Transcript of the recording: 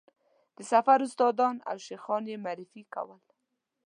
د سفر استادان او شیخان یې معرفي کول.